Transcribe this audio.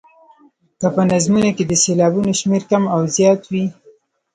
که په نظمونو کې د سېلابونو شمېر کم او زیات وي.